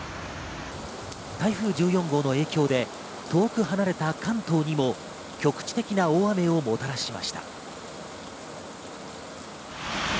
台風１４号の影響で遠く離れた関東にも局地的な大雨をもたらしました。